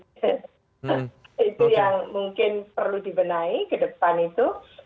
itu yang mungkin perlu dibenahi ke depan itu